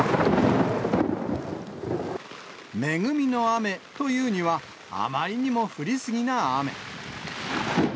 恵みの雨というには、あまりにも降り過ぎな雨。